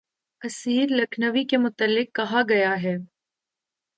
اسیر لکھنوی کے متعلق کہا گیا ہے